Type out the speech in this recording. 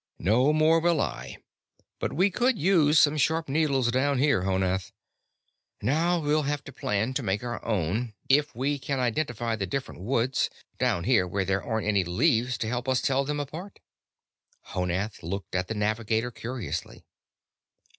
"No more will I. But we could use some sharp needles down here, Honath. Now we'll have to plan to make our own if we can identify the different woods, down here where there aren't any leaves to help us tell them apart." Honath looked at the navigator curiously.